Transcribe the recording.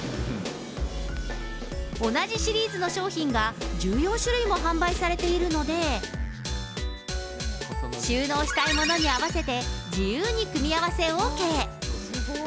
同じシリーズの商品が１４種類も販売されているので、収納したいものに合わせて、自由に組み合わせＯＫ。